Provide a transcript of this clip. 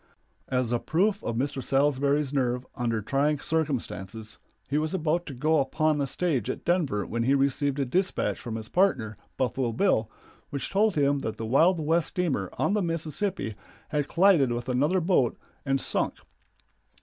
As a proof of Mr. Salsbury's nerve under trying circumstances, he was about to go upon the stage at Denver when he received a dispatch from his partner, Buffalo Bill, which told him that the Wild West steamer on the Mississippi had collided with another boat and sunk.